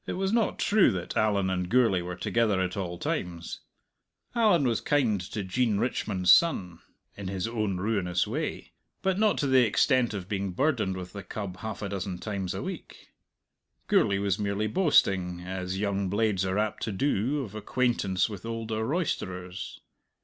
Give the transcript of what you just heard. It was not true that Allan and Gourlay were together at all times. Allan was kind to Jean Richmond's son (in his own ruinous way), but not to the extent of being burdened with the cub half a dozen times a week. Gourlay was merely boasting as young blades are apt to do of acquaintance with older roisterers.